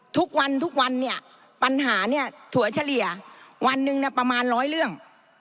ทุกวันปัญหาถั่วเฉลี่ยวันหนึ่งประมาณ๑๐๐เรื่อง